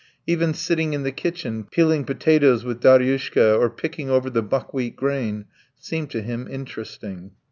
Even sitting in the kitchen, peeling potatoes with Daryushka or picking over the buckwheat grain, seemed to him interesting.